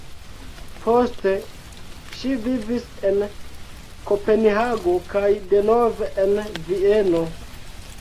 Poste ŝi vivis en Kopenhago kaj denove en Vieno.